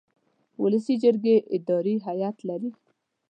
ولسي جرګې اداري هیئت لري.